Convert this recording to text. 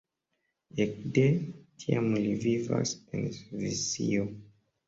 Ekde tiam li vivas en Svisio.